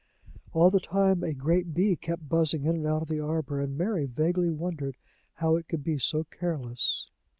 All the time a great bee kept buzzing in and out of the arbor, and Mary vaguely wondered how it could be so careless.